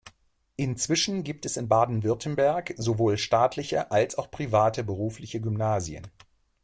Inzwischen gibt es in Baden-Württemberg sowohl staatliche als auch private berufliche Gymnasien.